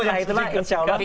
dan itu lah insya allah